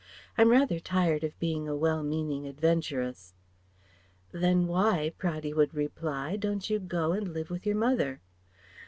I'm rather tired of being a well meaning adventuress." "Then why," Praddy would reply, "don't you go and live with your mother?"